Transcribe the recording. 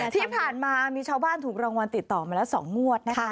ที่ผ่านมามีชาวบ้านถูกรางวัลติดต่อมาแล้ว๒งวดนะคะ